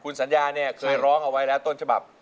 คุณสัญญาเนี่ยเคยร้องเอาไว้แล้วต้นฉบับ